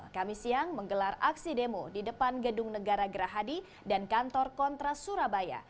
kami siang menggelar aksi demo di depan gedung negara gerahadi dan kantor kontras surabaya